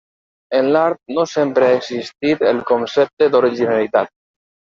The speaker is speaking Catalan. En l'art no sempre ha existit el concepte d'originalitat.